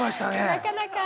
なかなか。